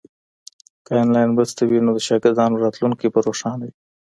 که انلاین مرسته وي نو د شاګردانو راتلونکی به روښانه وي.